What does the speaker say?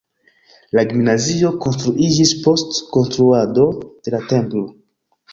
La gimnazio konstruiĝis post konstruado de la templo.